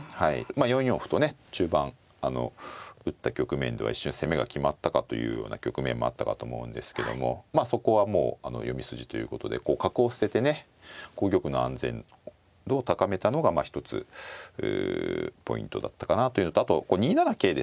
４四歩とね中盤打った局面では一瞬攻めが決まったかというような局面もあったかと思うんですけどもまあそこはもう読み筋ということで角を捨ててね玉の安全度を高めたのが一つポイントだったかなというのとあと２七桂ですね。